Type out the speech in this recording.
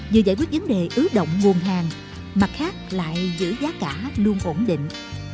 vừa giải quyết vấn đề ứ động nguồn hàng mặt khác lại giữ giá cả luôn ổn định